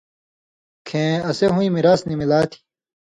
کھیں اسے ہُویں میراث نی مِلا تھی؛